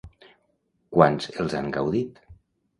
Quants els han gaudit?